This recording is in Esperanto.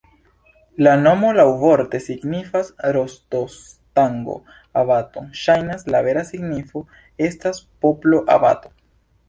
La nomo laŭvorte signifas rostostango-abato, ŝajnas, la vera signifo estas poplo-abato.